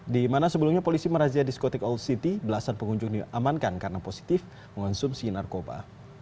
di mana sebelumnya polisi merazia diskotik old city belasan pengunjung diamankan karena positif mengonsumsi narkoba